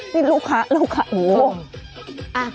นี่ลูกค้าลูกค้า